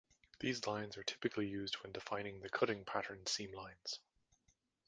These lines are typically used when defining the cutting pattern seam-lines.